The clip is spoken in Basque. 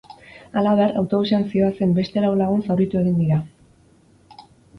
Halaber, autobusean zihoazen beste lau lagun zauritu egin dira.